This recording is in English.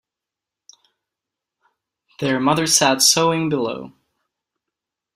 Their mother sat sewing below.